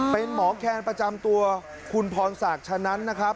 เป็นหมอแคนประจำตัวคุณพรศักดิ์ชะนั้นนะครับ